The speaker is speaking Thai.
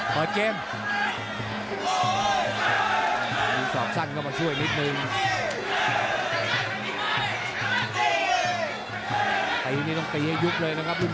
ข้องไหนแล้วตียากครับจังหวะไล่แขนนี่แดงนี่เกาจริง